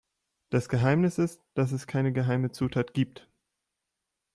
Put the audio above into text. Das Geheimnis ist, dass es keine geheime Zutat gibt.